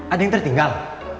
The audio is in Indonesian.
ada yang tertinggal